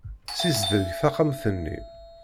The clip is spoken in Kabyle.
Ssizdeg taxxamt-nni.